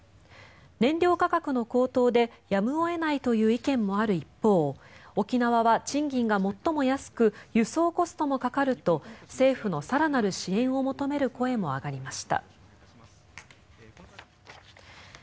燃料価格の高騰でやむを得ないという意見もある一方沖縄は賃金が最も安く輸送コストもかかると政府の更なる支援を求める声も上がりました。